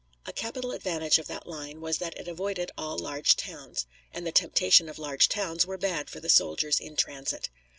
A capital advantage of that line was that it avoided all large towns and the temptations of large towns were bad for the soldiers in transit.